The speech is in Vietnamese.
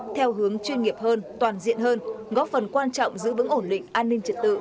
theo hướng chuyên nghiệp hơn toàn diện hơn góp phần quan trọng giữ vững ổn định an ninh trật tự